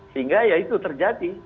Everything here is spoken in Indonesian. sehingga ya itu terjadi